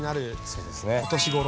そうですね。